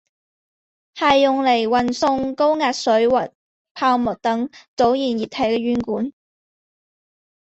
是用来运送高压水或泡沫等阻燃液体的软管。